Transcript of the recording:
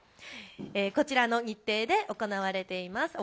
こちらの日程で行われます。